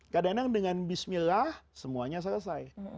kadang kadang dengan bismillah semuanya selesai